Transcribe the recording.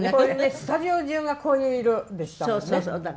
スタジオ中がこういう色でしたもんね。